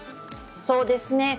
そうですね。